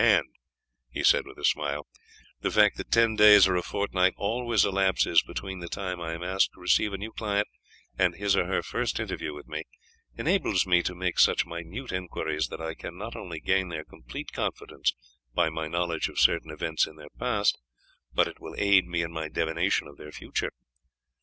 And,' he said with a smile, 'the fact that ten days or a fortnight always elapses between the time I am asked to receive a new client and his or her first interview with me, enables me to make such minute inquiries that I can not only gain their complete confidence by my knowledge of certain events in their past, but it will aid me in my divination of their future.